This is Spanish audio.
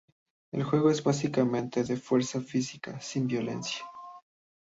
El juego es básicamente de fuerza física, sin violencia.